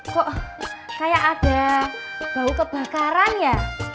kok kayak ada bau kebakaran ya